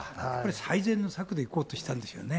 最善の策でいこうとしたんでしょうね。